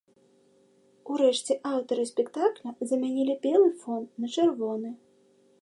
Урэшце аўтары спектакля замянілі белы фон на чырвоны.